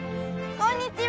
こんにちは！